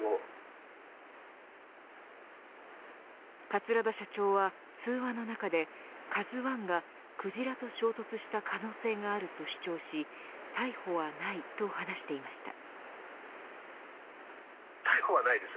桂田社長は通話の中でＫＡＺＵ１が、クジラと衝突した可能性があると主張し逮捕はないと話していました。